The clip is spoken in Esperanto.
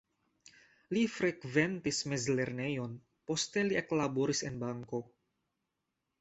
Li frekventis mezlernejon, poste li eklaboris en banko.